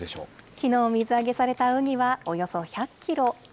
きのう水揚げされたウニはおよそ１００キロ。